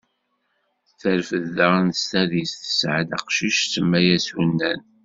Terfed daɣen s tadist, tesɛa-d aqcic, tsemma-as Unan.